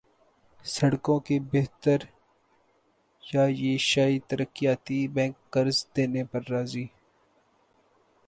سڑکوں کی بہتریایشیائی ترقیاتی بینک قرض دینے پر راضی